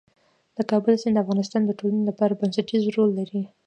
د کابل سیند د افغانستان د ټولنې لپاره بنسټيز رول لري.